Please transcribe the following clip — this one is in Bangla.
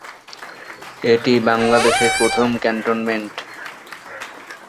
এটি বাংলাদেশের প্রথম ক্যান্টনমেন্ট।